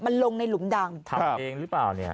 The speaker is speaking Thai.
มันลงในหลุมดำทำเองหรือเปล่าเนี่ย